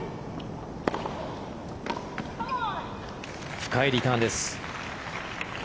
深いリターンです。